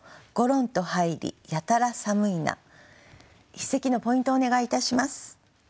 一席のポイントをお願いいたします。